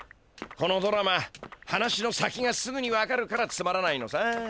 このドラマ話の先がすぐに分かるからつまらないのさ。